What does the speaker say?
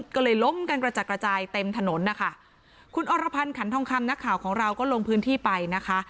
ก็เลยล้มกันกระจัดกระจายเต็มถนนนะคะคุณอรพันธ์ขันทองคำนักข่าวของเราก็ลงพื้นที่ไปนะคะ